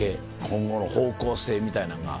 今後の方向性みたいなんが。